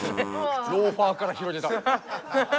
ローファーから広げた。